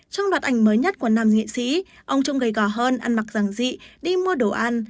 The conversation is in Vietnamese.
trong đoạt ảnh mới nhất của nam nghệ sĩ ông trông gầy gỏ hơn ăn mặc ràng dị đi mua đồ ăn